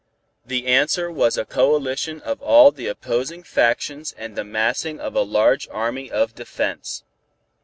The answer was a coalition of all the opposing factions and the massing of a large army of defense.